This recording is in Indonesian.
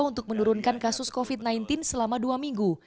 untuk menurunkan kasus covid sembilan belas selama dua minggu